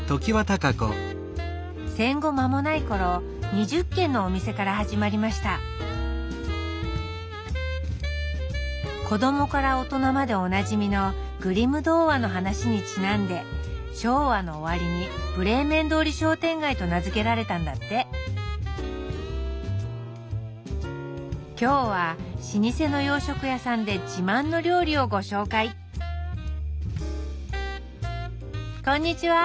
戦後間もない頃２０軒のお店から始まりました子どもから大人までおなじみのグリム童話の話にちなんで昭和の終わりにブレーメン通り商店街と名付けられたんだって今日は老舗の洋食屋さんで自慢の料理をご紹介こんにちは！